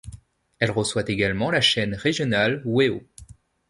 Elle reçoit également la chaîne régionale Wéo.